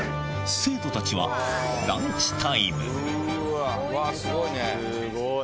生徒たちはランチタイム。